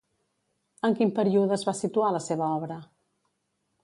En quin període es va situar la seva obra?